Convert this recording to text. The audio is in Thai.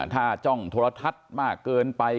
ถ้าจ้องโทรทัศน์มากเกินไป